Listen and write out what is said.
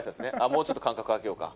もうちょっと間隔空けようか。